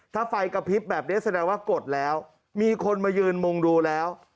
ถ้าไฟกระพริบแบบนี้แสดงว่ากดแล้วมีคนมายืนมุงดูแล้ว